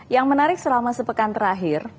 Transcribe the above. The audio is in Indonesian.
yang menarik selama sepekan terakhir